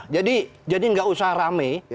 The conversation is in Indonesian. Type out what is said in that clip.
jadi nggak usah rame